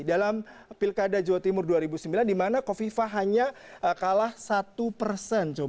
dalam pilkada jawa timur dua ribu sembilan di mana kofifa hanya kalah satu persen